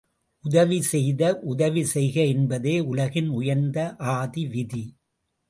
உதவி செய்க உதவி செய்க என்பதே உலகின் உயர்ந்த ஆதி விதி.